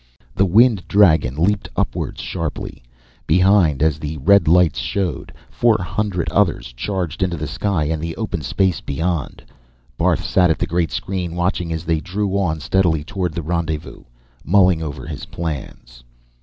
The Wind Dragon leaped upwards sharply. Behind, as the red lights showed, four hundred others charged into the sky and the open space beyond. Barth sat at the great screen, watching as they drew on steadily toward the rendezvous, mulling over his plans.